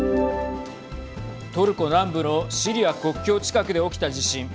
トルコ南部のシリア国境近くで起きた地震。